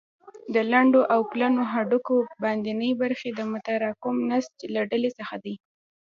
د لنډو او پلنو هډوکو باندنۍ برخې د متراکم نسج له ډلې څخه دي.